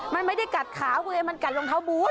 มันไม่ได้กัดขาเวยมันกัดรองเท้าบูธ